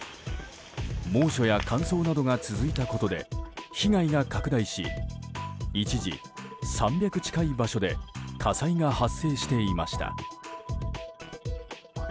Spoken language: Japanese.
猛暑や乾燥などが続いたことで被害が拡大し一時、３００近い場所で火災が発生していました。